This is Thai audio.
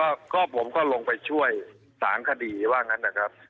ก็ก็ผมก็ลงไปช่วย๓คดีว่างั้นนะครับ